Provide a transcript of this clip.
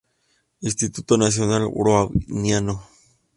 Instituto Nacional Browniano.